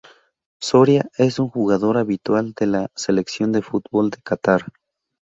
Soria es un jugador habitual de la Selección de fútbol de Catar.